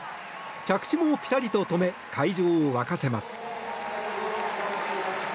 着地もぴたりと止め会場を沸かせます。